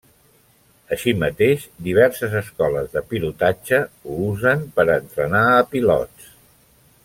Així mateix, diverses escoles de pilotatge ho usen per a entrenar a pilots.